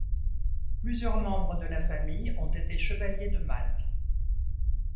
Plusieurs membres de la famille ont été chevaliers de Malte.